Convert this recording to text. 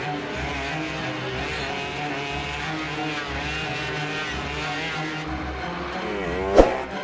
masuk maupun ke puto